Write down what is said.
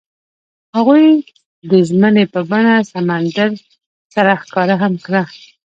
هغوی د ژمنې په بڼه سمندر سره ښکاره هم کړه.